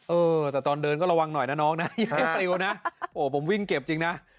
เออแต่ตอนเดินก็ระวังหน่อยนะน้องนะอย่าให้ปลิวนะโอ้ผมวิ่งเก็บจริงนะ